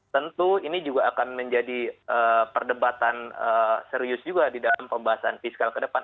tentu ini juga akan menjadi perdebatan serius juga di dalam pembahasan fiskal ke depan